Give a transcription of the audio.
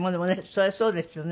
そりゃそうですよね。